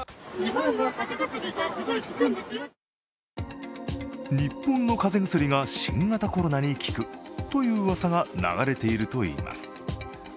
そして今度は日本の風邪薬が新型コロナに効くといううわさが流れているといいます。